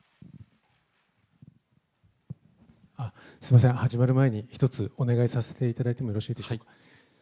すみません、始まる前に１つ、お願いさせていただいてもよろしいですか。